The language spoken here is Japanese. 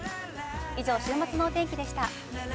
週末のお天気でした。